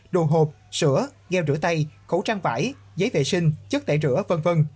đồ hộp sữa geo rửa tay khẩu trang vải giấy vệ sinh chất tẩy rửa v v